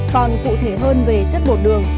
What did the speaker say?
còn cụ thể hơn về chất bột đường